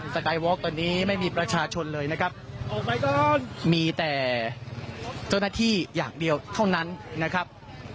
สกายวอล์กตอนนี้ไม่มีประชาชนเลยนะครับมีแต่เจ้าหน้าที่อย่างเดียวเท่านั้นนะครับ